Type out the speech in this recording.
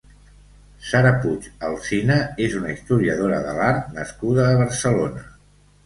Sara Puig Alsina és una historiadora de l'art nascuda a Barcelona.